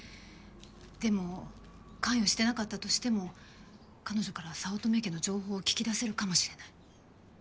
でも関与してなかったとしても彼女から早乙女家の情報を聞き出せるかもしれない。